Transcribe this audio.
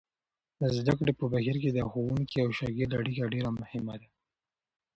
د زده کړې په بهیر کې د ښوونکي او شاګرد اړیکه ډېره مهمه ده.